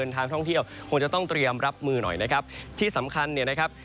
ทางท่องเที่ยวคงจะต้องเตรียมรับมือหน่อยนะครับที่สำคัญเนี่ยนะครับ